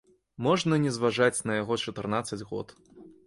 Можна не зважаць на яго чатырнаццаць год.